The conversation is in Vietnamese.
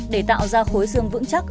để tạo ra khối xương vững chắc